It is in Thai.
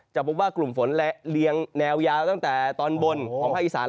พบว่ากลุ่มฝนและเรียงแนวยาวตั้งแต่ตอนบนของภาคอีสาน